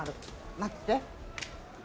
待ってて。